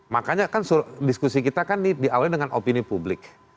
makanya kan diskusi kita kan ini diawali dengan opini publik